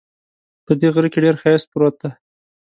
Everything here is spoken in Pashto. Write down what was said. په دې غره کې ډېر ښایست پروت ده